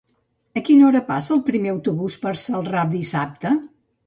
A quina hora passa el primer autobús per Celrà dissabte?